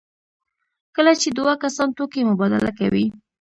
کله چې دوه کسان توکي مبادله کوي.